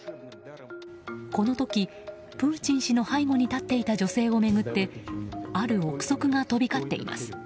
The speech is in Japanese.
この時プーチン氏の背後に立っていた女性を巡って、ある憶測が飛び交っています。